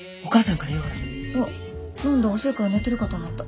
何だ遅いから寝てるかと思った。